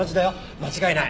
間違いない。